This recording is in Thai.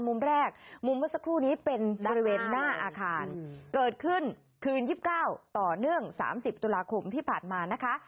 มุมแรกมุมเมื่อสักครู่นี้เป็นบริเวณหน้าอาคารเกิดขึ้นคืน๒๙ต่อเนื่อง๓๐ตุลาคมที่ผ่านมานะคะ